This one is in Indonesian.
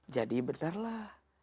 jadi benar lah